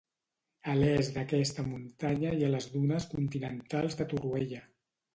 A l'est d'aquesta muntanya hi ha les dunes continentals de Torroella.